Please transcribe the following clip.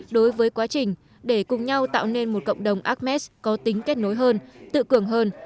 đối với quá trình để cùng nhau tạo nên một cộng đồng ames có tính kết nối hơn tự cường hơn